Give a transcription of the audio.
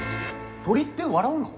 鳥って笑うの？